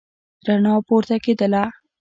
رڼا پورته کېدله.